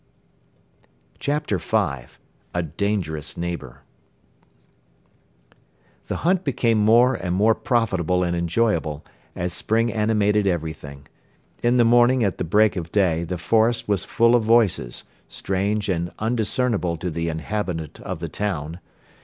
CHAPTER V A DANGEROUS NEIGHBOR The hunt became more and more profitable and enjoyable, as spring animated everything. In the morning at the break of day the forest was full of voices, strange and undiscernible to the inhabitant of the town.